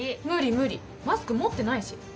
無理無理マスク持ってないし。